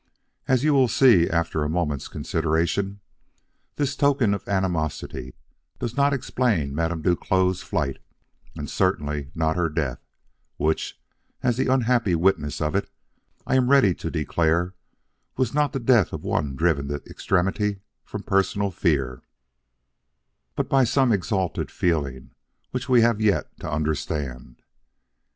"As you will see after a moment's consideration, this token of animosity does not explain Madame Duclos' flight, and certainly not her death, which, as the unhappy witness of it, I am ready to declare was not the death of one driven to extremity from personal fear, but by some exalted feeling which we have yet to understand.